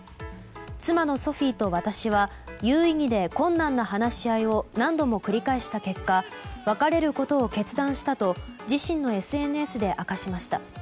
妻のソフィーと私は有意義で困難な話し合いを何度も繰り返した結果別れることを決断したと自身のＳＮＳで明かしました。